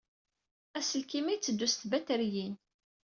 Aselkim-a yetteddu s tbatriyin.